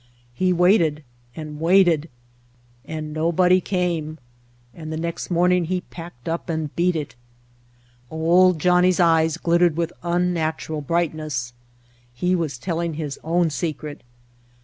He waited and waited and nobody came. And the next morn ing he packed up and beat it." Old Johnnie's eyes glittered with unnatural brightness. He was telling his own secret.